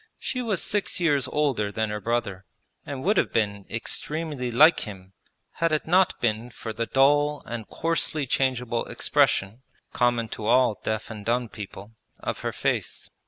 She was six years older than her brother and would have been extremely like him had it not been for the dull and coarsely changeable expression (common to all deaf and dumb people) of her face.